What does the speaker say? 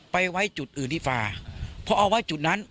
ไว้จุดอื่นที่ฟาเพราะเอาไว้จุดนั้น